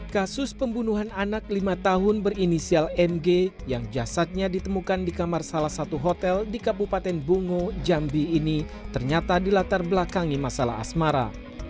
kasus pembunuhan anak lima tahun berinisial mg yang jasadnya ditemukan di kamar salah satu hotel di kabupaten bungo jambi ini ternyata dilatar belakangi masalah asmara